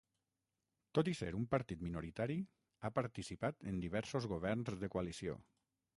Tot i ser un partit minoritari, ha participat en diversos governs de coalició.